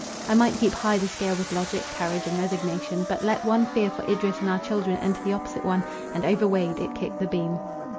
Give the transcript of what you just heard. I might heap high the scale with logic, courage, and resignation—but let one fear for Idris and our children enter the opposite one, and, over weighed, it kicked the beam.